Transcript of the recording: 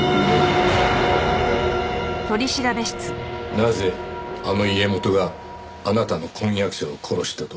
なぜあの家元があなたの婚約者を殺したと？